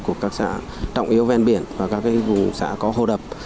của các xã trọng yếu ven biển và các vùng xã có hồ đập